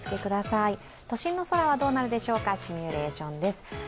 都心の空はどうなるでしょうか、シミュレーションです。